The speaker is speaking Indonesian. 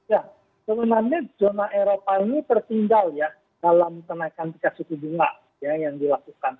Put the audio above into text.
ya sebenarnya zona eropa ini tertinggal ya dalam kenaikan tingkat suku bunga yang dilakukan